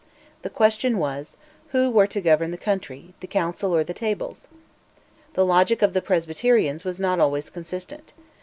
The question was: Who were to govern the country, the Council or the Tables? The logic of the Presbyterians was not always consistent.